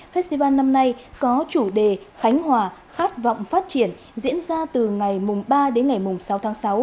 festival năm nay có chủ đề khánh hòa khát vọng phát triển diễn ra từ ngày ba đến ngày sáu tháng sáu